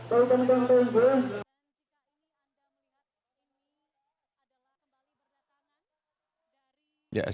kawan kawan yang di belakang